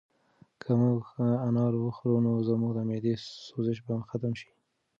که موږ انار وخورو نو زموږ د معدې سوزش به ختم شي.